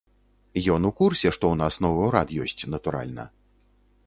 Ён у курсе, што ў нас новы ўрад ёсць, натуральна.